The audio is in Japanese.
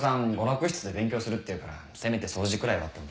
娯楽室で勉強するって言うからせめて掃除くらいはって思って。